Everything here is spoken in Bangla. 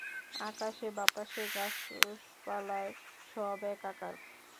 আকাশে বাতাসে গাছপালায় সব একাকার!